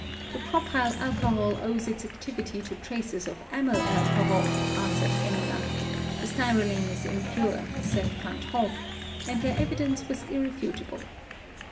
The propyl alcohol owes its activity to traces of amyl alcohol, answered Henniger; the styrolene is impure, said Van't Hoff; and their evi dence was irrefutable.